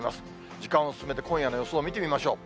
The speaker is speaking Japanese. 時間を進めて、今夜の予想を見てみましょう。